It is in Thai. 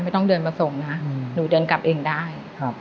ต้องเดินมาส่งนะหนูเดินกลับเองได้